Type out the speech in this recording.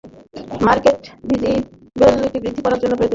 Market visibility বৃদ্ধি করার জন্য প্রয়োজনীয় ব্যবস্থাপনা গ্রহণে সক্ষম হতে হবে।